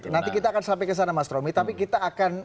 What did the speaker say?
nanti kita akan sampai ke sana mas romy tapi kita akan